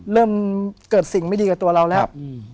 เริ่มเกิดสิ่งไม่ดีกับตัวเราแล้ว